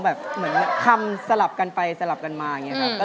เหมือนคำสลับกันไปสลับกันมา